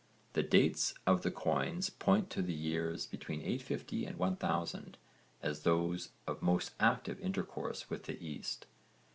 The dates of the coins point to the years between 850 and 1000 as those of most active intercourse with the East.